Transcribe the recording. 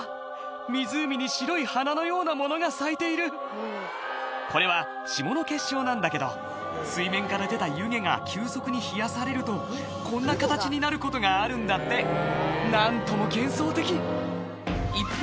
湖に白い花のようなものが咲いているこれは霜の結晶なんだけど水面から出た湯気が急速に冷やされるとこんな形になることがあるんだって何とも幻想的一方